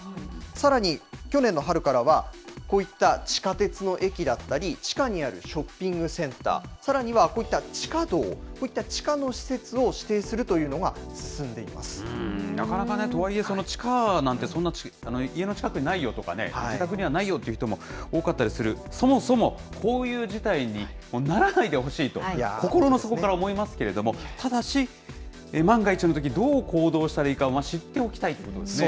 さらに去年の春からは、こういった地下鉄の駅だったり、地下にあるショッピングセンター、さらにはこういった地下道、こういった地下の施設を指定するというのがなかなかね、とはいえ地下なんて、そんな家の近くにないよとかね、自宅にはないよとか言う方も多かったりする、そもそもこういう事態にならないでほしいと、心の底から思いますけれども、ただし、万が一のときどう行動したらいいかを知っておきたいと思いますね。